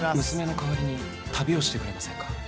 娘の代わりに旅をしてくれませんか？